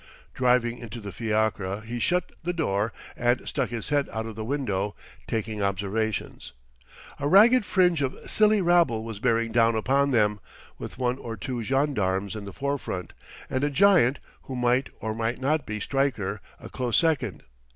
Diving into the fiacre he shut the door and stuck his head out of the window, taking observations. A ragged fringe of silly rabble was bearing down upon them, with one or two gendarmes in the forefront, and a giant, who might or might not be Stryker, a close second.